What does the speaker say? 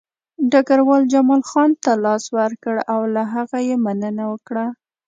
ډګروال جمال خان ته لاس ورکړ او له هغه یې مننه وکړه